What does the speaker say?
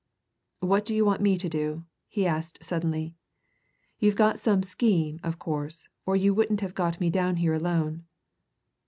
"What do you want me to do?" he asked suddenly. "You've got some scheme, of course, or you wouldn't have got me down here alone."